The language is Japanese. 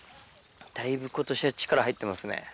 だいぶ今年は力入ってますね。